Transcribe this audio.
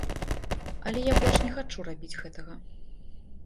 Але я больш не хачу рабіць гэтага.